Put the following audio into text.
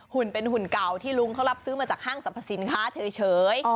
หุ่นเป็นหุ่นเก่าที่ลุงเขารับซื้อมาจากห้างสรรพสินค้าเฉย